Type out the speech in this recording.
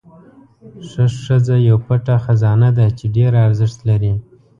ښه ښځه یو پټ خزانه ده چې ډېره ارزښت لري.